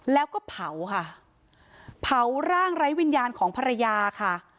แล้วก็เผาค่ะเผาร่างไร้วิญญาณของภรรยาค่ะ